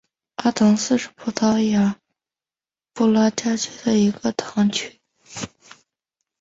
阿唐斯是葡萄牙布拉加区的一个堂区。